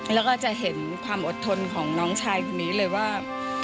แล้วก็จะเห็นความอดทนของน้องชายคนนี้เลยว่า